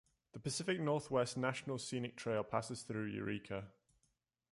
The Pacific Northwest National Scenic Trail passes through Eureka.